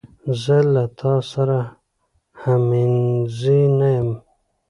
زه له تا سره همنیزی نه یم.